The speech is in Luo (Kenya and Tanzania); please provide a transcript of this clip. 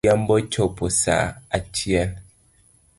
Odhiambo chopo saa achiel .